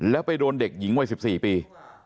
แล้วไปโดนเด็กหญิงวัย๑๔ปี